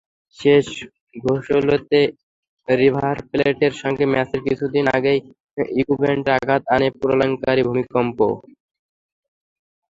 শেষ ষোলোতে রিভারপ্লেটের সঙ্গে ম্যাচের কিছুদিন আগেই ইকুয়েডরে আঘাত হানে প্রলয়ংকরী ভূমিকম্প।